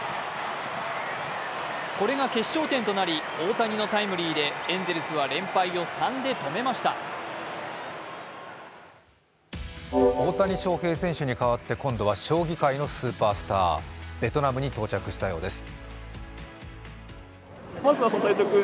これが決勝点となり大谷のタイムリーでエンゼルスは連敗を３で止めました大谷翔平選手に替わって今度は将棋界のスーパースターベトナムに到着したようです。